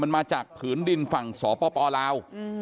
มันมาจากผืนดินฝั่งสปลาว